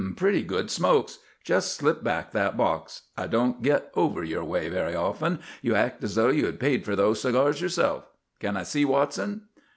Pretty good smokes. Just slip back that box. I don't get over your way very often. You act as though you had paid for those cigars yourself. Can I see Watson?"